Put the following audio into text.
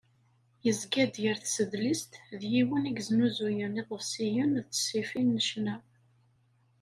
Yezga-d gar tsedlist d yiwen i yeznuzun iḍebsiyen d ttesfifin n ccna.